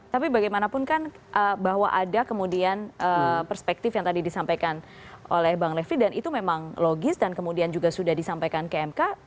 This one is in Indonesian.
tapi bagaimanapun kan bahwa ada kemudian perspektif yang tadi disampaikan oleh bang levi dan itu memang logis dan kemudian juga sudah disampaikan ke mk